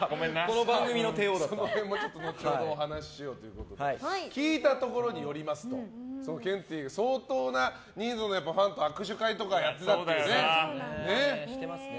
その辺も後ほどお話しするということで聞いたところによりますとケンティーが相当な人数のファンと握手会とかもやってたりするんだよね。